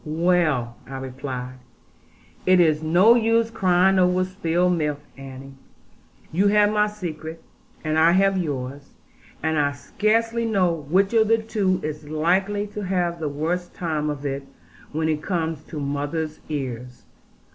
'Well,' I replied, 'it is no use crying over spilt milk Annie. You have my secret, and I have yours; and I scarcely know which of the two is likely to have the worst time of it, when it comes to mother's ears.